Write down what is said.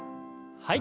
はい。